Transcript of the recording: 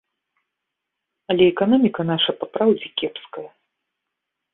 Але эканоміка наша папраўдзе кепская.